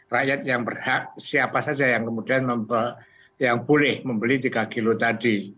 rakyat yang berhak siapa saja yang kemudian yang boleh membeli tiga kg tadi